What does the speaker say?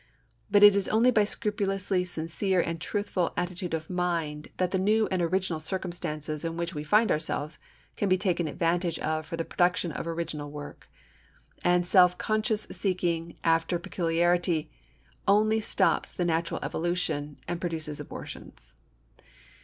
But it is only by a scrupulously sincere and truthful attitude of mind that the new and original circumstances in which we find ourselves can be taken advantage of for the production of original work. And self conscious seeking after peculiarity only stops the natural evolution and produces abortions.